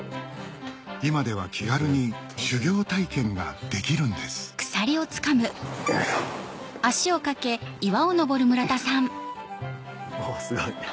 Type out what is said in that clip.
今では気軽に修行体験ができるんですおすごい。